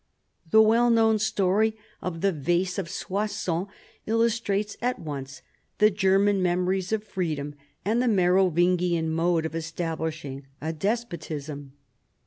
The well known story of the vase of Soissons illustrates at once the German memories of freedom and the Merovingian mode of establishing a despotism.